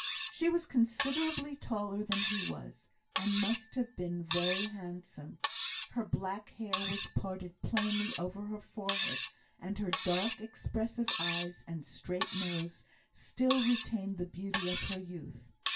She was considerably taller than he was, and must have been very handsome; her black hair was parted plainly over her forehead, and her dark, expressive eyes and straight nose still retained the beauty of her youth.